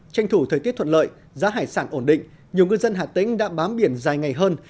tranh thủ thời tiết thuận lợi giá hải sản ổn định nhiều ngư dân hà tĩnh đã bám biển dài ngày hơn